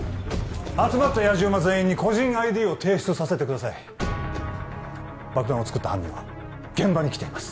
集まったやじ馬全員に個人ＩＤを提出させてください爆弾を作った犯人は現場に来ています